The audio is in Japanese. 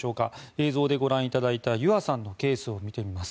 映像でご覧いただいたゆあさんのケースを見てみます。